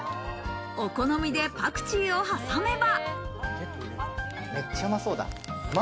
お好みでパクチーを挟めば。